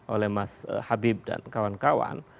oleh mas habib dan kawan kawan